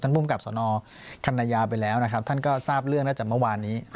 ภูมิกับสนคันยาไปแล้วนะครับท่านก็ทราบเรื่องตั้งแต่เมื่อวานนี้